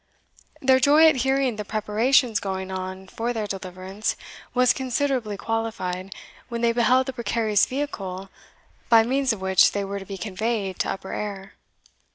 Their joy at hearing the preparations going on for their deliverance was considerably qualified when they beheld the precarious vehicle by means of which they were to be conveyed to upper air.